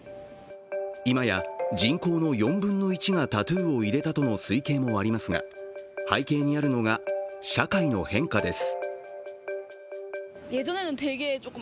今や人口の４分の１がタトゥーを入れたとの推計もありますが背景にあるのが社会の変化です。